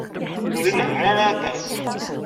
Ur inehheṛ ara aṭas.